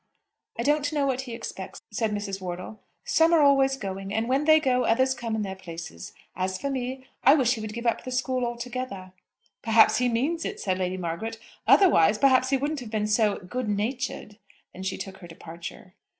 "I don't know what he expects," said Mrs. Wortle. "Some are always going, and when they go, others come in their places. As for me, I wish he would give the school up altogether." "Perhaps he means it," said Lady Margaret; "otherwise, perhaps he wouldn't have been so good natured." Then she took her departure.